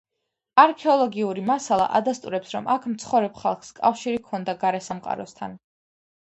არქეოლოგიური მასალა ადასტურებს, რომ აქ მცხოვრებ ხალხს კავშირი ჰქონია გარე სამყაროსთან.